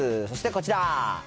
そしてこちら。